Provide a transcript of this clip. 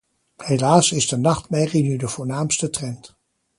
Helaas is de nachtmerrie nu de voornaamste trend.